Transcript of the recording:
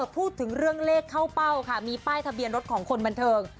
พูดถึงเรื่องเลขเข้าเป้าค่ะมีป้ายทะเบียนรถของคนบันเทิง